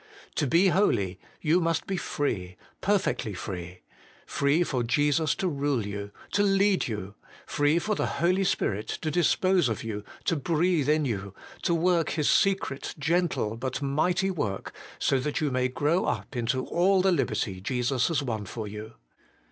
To be holy, you must be free, perfectly free ; free for Jesus to rule you, to lead you; free for the Holy Spirit to dispose of you, to breathe in you, to work His secret, gentle, but mighty work, so that you may grow up unto all the liberty Jesus has won for you.